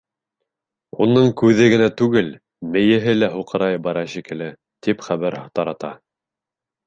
Уның күҙе генә түгел, мейеһе лә һуҡырая бара шикелле, тип хәбәр тарата.